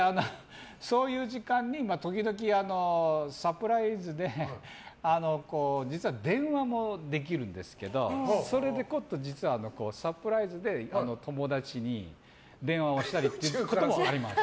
そういう時間に時々サプライズで実は電話もできるんですけどそれでサプライズで友達に電話をしたりあります。